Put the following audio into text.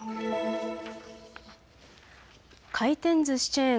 回転ずしチェーン